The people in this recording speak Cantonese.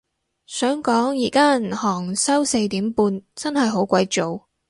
想講而家銀行收四點半，真係好鬼早